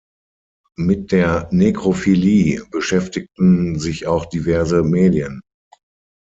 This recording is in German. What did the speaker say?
Mit der Nekrophilie beschäftigen sich auch diverse Medien.